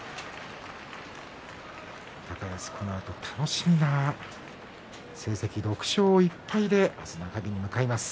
高安、このあと楽しみな成績６勝１敗で明日、中日を迎えます。